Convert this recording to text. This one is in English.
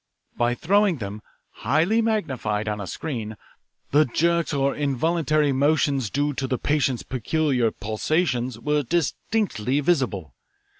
By throwing them, highly magnified, on a screen, the jerks or involuntary motions due to the patient's peculiar pulsations were distinctly visible.